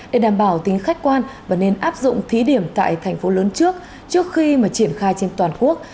để đảm bảo tính khách quan và nên áp dụng thí điểm tại thành phố lớn trước trước khi mà triển khai trên toàn quốc